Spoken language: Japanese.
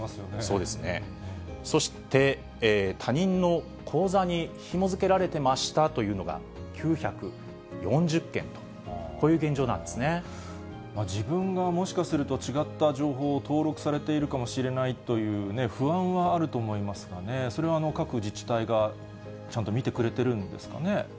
そうですね、そして、他人の口座にひも付けられてましたというのが９４０件と、自分がもしかすると、違った情報を登録されているかもしれないというね、不安はあると思いますがね、それは各自治体がちゃんと見てくれてるんですかね？